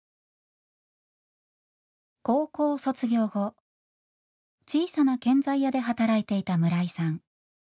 高校卒業後小さな建材屋で働いていた村井さん。